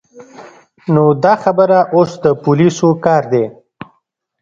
نو دا خبره اوس د پولیسو کار دی.